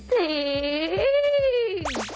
สเล้ย